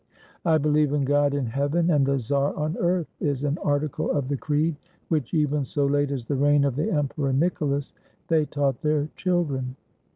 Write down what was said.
"I believe in God in heaven, and the czar on earth," is an article of the creed, which, even so late as the reign of the Emperor Nicholas, they taught their children.